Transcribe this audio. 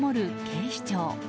警視庁。